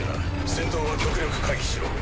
戦闘は極力回避しろ。